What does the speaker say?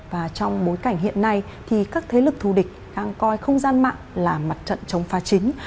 và trong bối cảnh hiện nay thì các thế lực thù địch đang coi không gian mạng là mặt trận chống phá chính